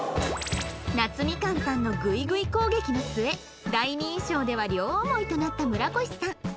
なつみかんさんのグイグイ攻撃の末第二印象では両思いとなった村越さん